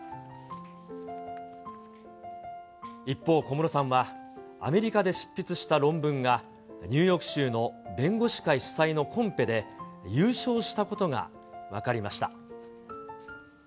一方、小室さんは、アメリカで執筆した論文が、ニューヨーク州の弁護士会主催のコンペで優勝したことが分かりました。